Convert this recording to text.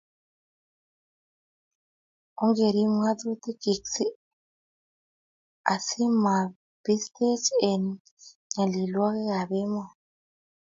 Ogerib ngatutik chik asimapistech eng nyalilwokik ab emoni